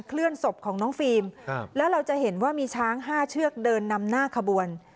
เลื่อนศพของน้องฟิล์มแล้วเราจะเห็นว่ามีช้าง๕เชือกเดินนำหน้าขบวน